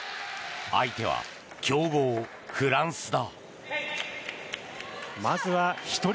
相手は強豪フランスだ。